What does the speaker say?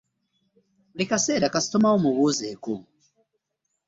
Buli kaseera kkaasitoma wo mubuuzeeko.